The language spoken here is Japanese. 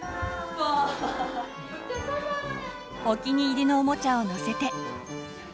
お気に入りのおもちゃを乗せて。